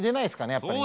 やっぱりね。